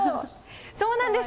そうなんです。